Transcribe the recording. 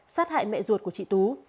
sát hại mẹ ruột của chị tú